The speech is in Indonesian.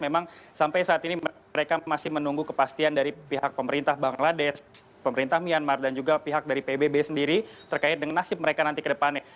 memang sampai saat ini mereka masih menunggu kepastian dari pihak pemerintah bangladesh pemerintah myanmar dan juga pihak dari pbb sendiri terkait dengan nasib mereka nanti ke depannya